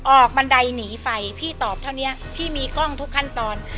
บันไดหนีไฟพี่ตอบเท่านี้พี่มีกล้องทุกขั้นตอน